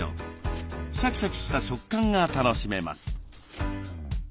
シャキシャキした食感が楽しめます。